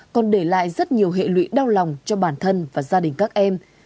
còn để lại rất nhiều hệ lụy đau lòng cho bản thân và gia đình các em